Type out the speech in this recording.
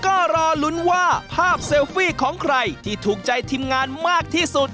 ก็รอลุ้นว่าภาพเซลฟี่ของใครที่ถูกใจทีมงานมากที่สุด